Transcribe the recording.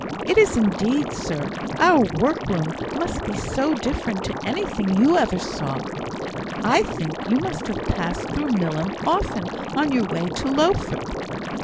"It is, indeed, sir. Our workroom must be so different to anything you ever saw. I think you must have passed through Milham often on your way to Lowford."